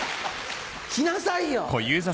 着なさいよ。